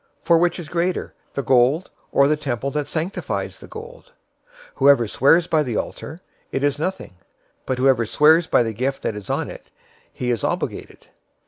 For which is greater, the gold, or the temple that sanctifies the gold? 023:018 'Whoever swears by the altar, it is nothing; but whoever swears by the gift that is on it, he is obligated?'